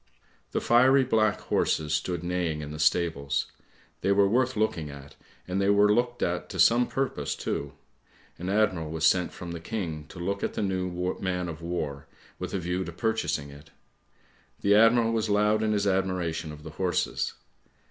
:' The fiery black horses stood neighing in the stables; they were worth looking at, and they were looked at to some purpose too. An admiral was sent from the King to look at the new man of war, with a view to purchasing it. The admiral was loud in his admiration of the horses.